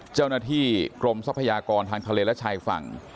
เจ้าหน้าที่กรมทรัพยากรทางทะเลและชายฝั่ง